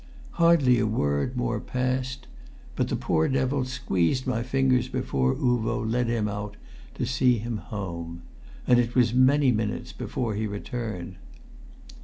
Hardly a word more passed. But the poor devil squeezed my fingers before Uvo led him out to see him home. And it was many minutes before he returned.